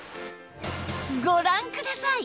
ご覧ください！